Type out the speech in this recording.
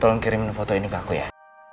tolong kirim foto ini ke aku ya